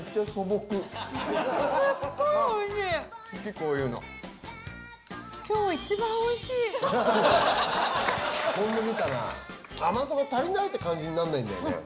こういうの甘さも足りないって感じになんないんだよね